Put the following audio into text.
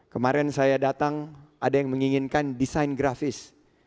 kemarin saya datang ada yang menginginkan desain grafis